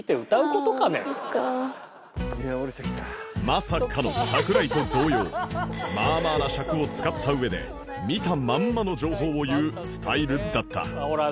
まさかの ＳＡＫＵＲＡＩ と同様まあまあな尺を使った上で見たまんまの情報を言うスタイルだった